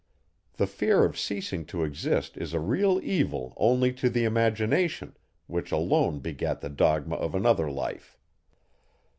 The fear of ceasing to exist is a real evil only to the imagination, which alone begat the dogma of another life.